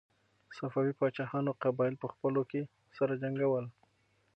صفوي پاچاهانو قبایل په خپلو کې سره جنګول.